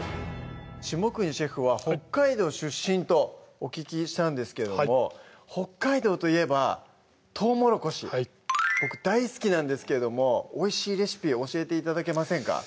下國シェフは北海道出身とお聞きしたんですけども北海道といえば「とうもろこし」ボク大好きなんですけどもおいしいレシピを教えて頂けませんか？